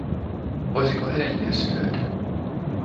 Voisiko hedelmiä syödä?